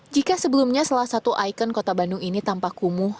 jika sebelumnya salah satu ikon kota bandung ini tampak kumuh